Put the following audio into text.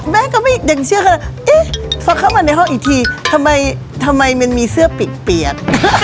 แต่ก็ไม่ยังเชื่อเยอะฟักเข้ามาในห้องอีกทีทำไมมันมีเสื้อเปีกเปียด